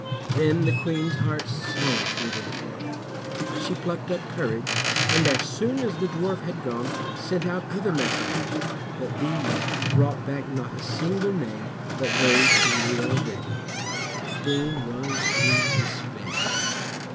Then the Queen's heart sank within her, but she plucked up courage, and as soon as the dwarf had gone, sent out other messengers, but these brought back not a single name but those she knew already. The Queen was in despair.